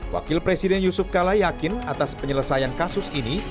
wakil presiden yusuf kala yakin atas penyelesaian kasus ini